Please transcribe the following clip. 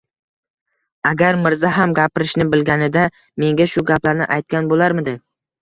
Agar Mirza ham gapirishni bilganida menga shu gaplarni aytgan bo`larmidi